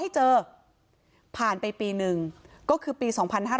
เจอผ่านไปปีหนึ่งก็คือปี๒๕๕๙